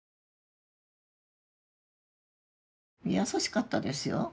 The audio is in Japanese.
優しかったですよ